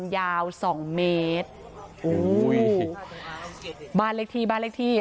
ยาว๒เมตร